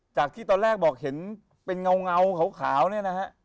จากที่ตอนแรกบอกเห็นเป็นเงาขาวเนี่ยนะฮะ